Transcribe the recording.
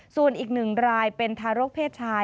ส่วนอีกหนึ่งรายเป็นทารกเพศชาย